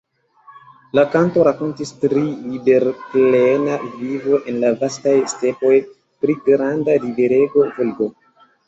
La kanto rakontis pri liberplena vivo en la vastaj stepoj, pri granda riverego Volgo.